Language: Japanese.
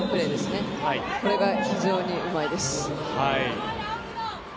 これが非常にうまいです。